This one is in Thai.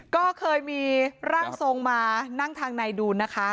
ก็เคยมีร่างทรงมานั่งทางในดูนนะคะ